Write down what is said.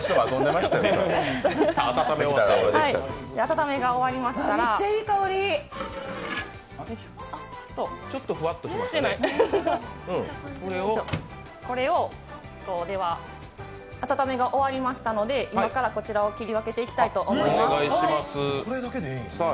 温めが終わりましたので、今からこちらを切り分けていきたいと思います。